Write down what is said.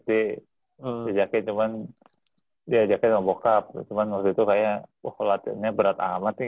diajakin cuman diajakin sama bokap cuman waktu itu kayak wah latihannya berat amat nih